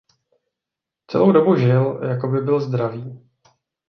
Celou dobu žil jakoby byl zdravý.